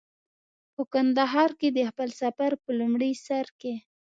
په کندهار کې د خپل سفر په لومړي سر کې.